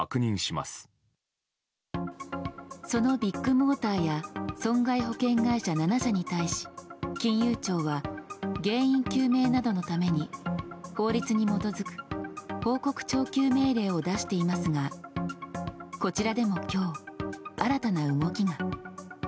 そのビッグモーターや損害保険会社７社に対し金融庁は原因究明などのために法律に基づく報告徴収命令を出していますがこちらでも今日、新たな動きが。